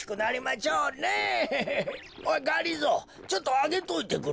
おいがりぞーちょっとあげといてくれ。